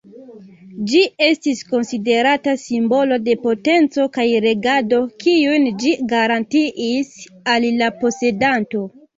Ĝi estis konsiderata simbolo de potenco kaj regado, kiujn ĝi garantiis al la posedanto.